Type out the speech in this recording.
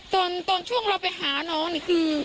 ตอนช่วงเราไปหาน้องนี่คือ